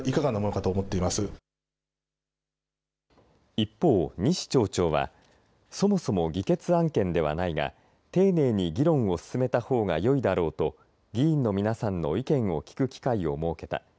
一方、西町長はそもそも議決案件ではないが丁寧に議論を進めたほうがよいだろうと議員の皆さんの意見を聞く機会を設けた。